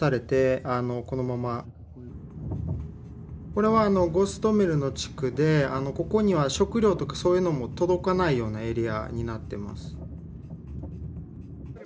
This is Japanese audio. これはあのゴストメルの地区でここには食料とかそういうのも届かないようなエリアになってます。